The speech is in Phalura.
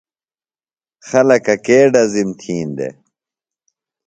خلکہ کے ڈزِم تھین دےۡ؟